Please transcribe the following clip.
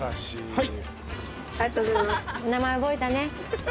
はい。